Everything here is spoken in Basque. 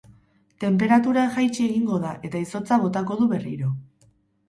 Tenperatura jaitsi egingo da eta izotza botako du berriro.